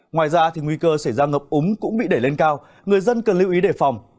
ngoài ra nguy cơ xảy ra ngập úng cũng bị đẩy lên cao người dân cần lưu ý đề phòng